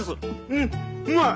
うんうまい！